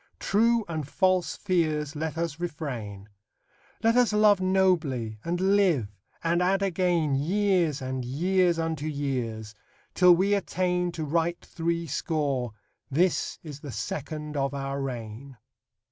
True and false fears let us refrain; Let us love nobly, and live, and add again Years and years unto years, till we attain To write three score: this is the second of our reign.